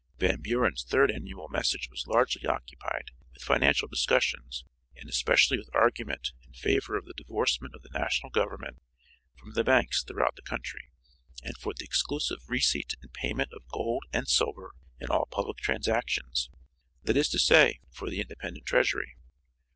Van Buren's third annual message was largely occupied with financial discussions and especially with argument in favor of the divorcement of the national government from the banks throughout the country, and for the exclusive receipt and payment of gold and silver in all public transactions; that is to say, for the independent treasury.